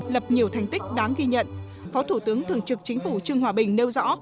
lập nhiều thành tích đáng ghi nhận phó thủ tướng thường trực chính phủ trương hòa bình nêu rõ